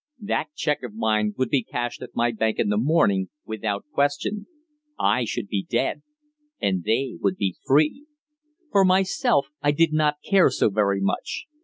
That cheque of mine would be cashed at my bank in the morning without question. I should be dead and they would be free. For myself, I did not care so very much.